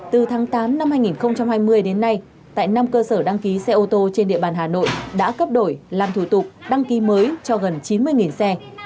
từ tháng tám năm hai nghìn hai mươi đến nay tại năm cơ sở đăng ký xe ô tô trên địa bàn hà nội đã cấp đổi làm thủ tục đăng ký mới cho gần chín mươi xe